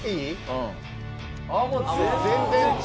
うん。